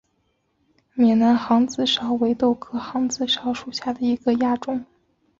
缅南杭子梢为豆科杭子梢属下的一个亚种。